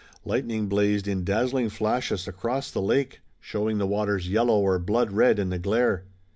Lightning blazed in dazzling flashes across the lake, showing the waters yellow or blood red in the glare.